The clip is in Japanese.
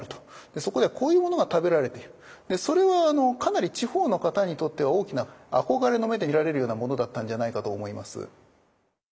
そこではこういうものが食べられてそれはかなり地方の方にとっては大きな憧れの目で見られるようなものだったんじゃないかと思います。